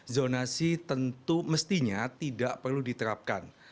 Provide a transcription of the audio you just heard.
zonasi tentu mestinya tidak perlu diterapkan